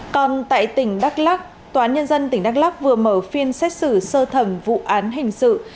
còn tại tỉnh đắk lắc tòa án nhân dân tỉnh đắk lắc vừa mở phiên xét xử sơ thẩm vụ án hình sự